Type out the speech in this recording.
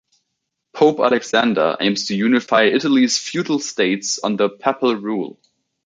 Pope Alexander aims to unify Italy's feudal states under papal rule.